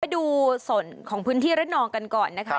ดูส่วนของพื้นที่ระนองกันก่อนนะคะ